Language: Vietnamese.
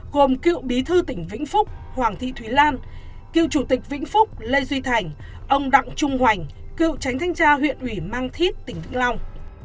gồm cựu bí thư tỉnh vĩnh phúc hoàng thị thúy lan cựu chủ tịch vĩnh phúc lê duy thành ông đặng trung hoành cựu tránh thanh tra huyện ủy mang thít tỉnh vĩnh long